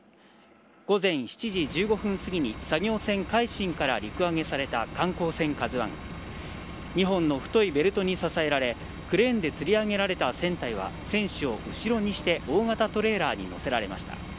午前７時１５分すぎに作業船「海進」から陸揚げされた観光船「ＫＡＺＵ１」２本の太いベルトに支えられクレーンでつり上げられた船体は船首を後ろにして大型トレーラーに載せられました。